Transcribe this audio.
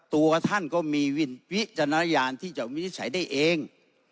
ตัวท่านก็มีวิจารณญาณที่จะวินิจฉัยได้เอง